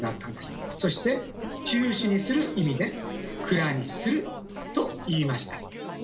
そして中止にする意味で「くらにする」と言いました。